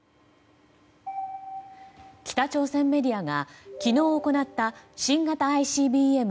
北朝鮮メディアが昨日行った新型ＩＣＢＭ